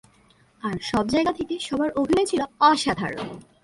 আর সব জায়গা থেকে সবার অভিনয় ছিলো অসাধারণ।